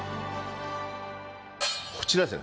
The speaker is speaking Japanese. こちらです。